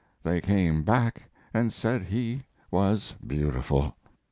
They came back and said he was beautiful.